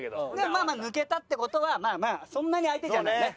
まあまあ抜けたって事はまあまあそんなに相手じゃないね。